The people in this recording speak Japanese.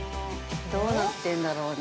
どうなってんだろうね。